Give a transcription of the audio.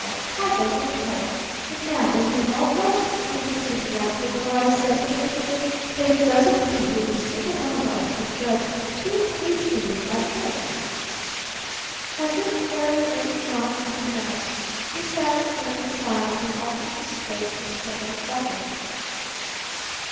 I beg your pardon. But now doesn't it all go to prove just exactly what I said in the beginning that it doesn't behoove a single one of us to judge too hastily by appearances?" As if fairly overwhelmed with embarrassment he sat staring silently off into space for several seconds.